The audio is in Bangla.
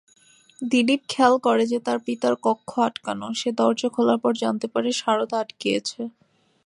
দিলীপ খেয়াল করে যে তার পিতার কক্ষ আটকানো, সে দরজা খোলার পর জানতে পারে শারদা আটকিয়েছে।